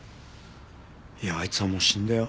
いやあいつはもう死んだよ。